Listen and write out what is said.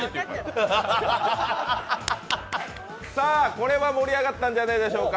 これは盛り上がったんじゃないでしょうか。